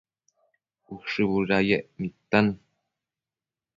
Ushë budayec nidtan